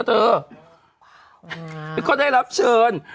เขาได้รับชวน